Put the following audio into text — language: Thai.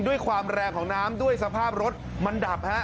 ด้วยความแรงของน้ำด้วยสภาพรถมันดับฮะ